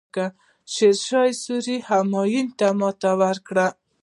شیرشاه سوري همایون ته ماتې ورکړه.